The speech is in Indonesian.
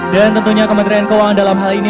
dan tentunya kementerian keuangan dalam hal ini